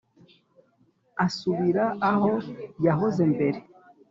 Asubira Aho Yahoze Mbere